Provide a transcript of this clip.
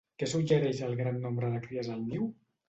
Què suggereix el gran nombre de cries al niu?